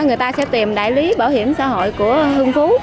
người ta sẽ tìm đại lý bảo hiểm xã hội của hương phú